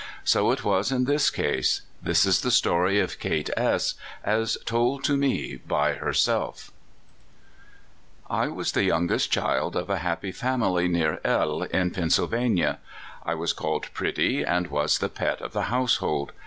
So it was in this case. This is the story of Kate S , as told to me. by herself: "I was the youngest child of a happy family near L , in Pennsylvania. I was called pretty, and was the pet of the household.